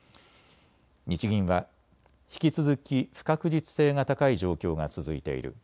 日銀は、引き続き不確実性が高い状況が続いている。